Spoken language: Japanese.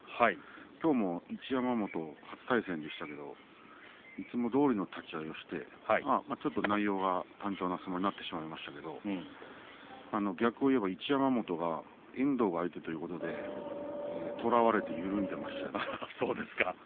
きょうも一山本初対戦でしたがいつもどおりの立ち合いをしてちょっと内容は単調な相撲になりましたが逆を言えば一山本が遠藤が相手ということにとらわれて揺らいでいましたよね。